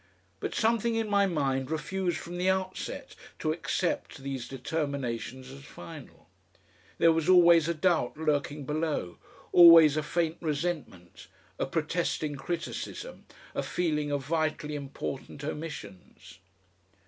But something in my mind refused from the outset to accept these determinations as final. There was always a doubt lurking below, always a faint resentment, a protesting criticism, a feeling of vitally important omissions.